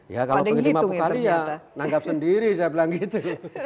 ya kalau pengen lima puluh kali ya nanggap sendiri saya bilang gitu